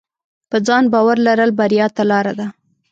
په ځان باور لرل بریا ته لار ده.